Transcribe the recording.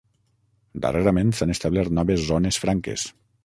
Darrerament s'han establert noves zones franques.